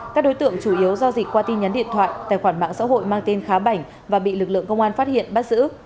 các đối tượng chủ yếu giao dịch qua tin nhắn điện thoại tài khoản mạng xã hội mang tên khá bảnh và bị lực lượng công an phát hiện bắt giữ